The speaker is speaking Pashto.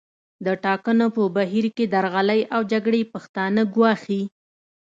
د ټاکنو په بهیر کې درغلۍ او جګړې پښتانه ګواښي